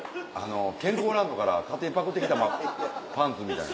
健康ランドから勝手にパクってきたパンツみたいな。